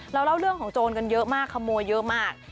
เล่าเรื่องของโจรกันเยอะมากขโมยเยอะมาก